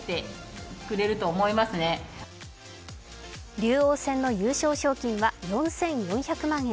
竜王戦の優勝賞金は４４００万円。